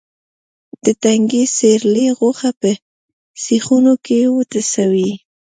د تنکي سېرلي غوښه په سیخونو کې وټسوه.